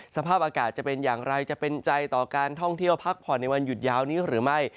สภาพอากาศจะเป็นอย่างไรจะเป็นใจต่อการท่องเที่ยวพักผ่อนในวันหยุดยาวนี้หรือไม่